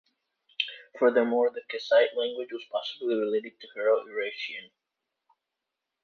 Furthermore, the Kassite language was possibly related to Hurro-Urartian.